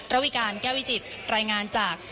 ระวิการแก้ววิจิตรายงานจาก